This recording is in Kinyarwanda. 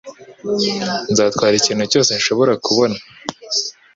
Nzatwara ikintu cyose nshobora kubona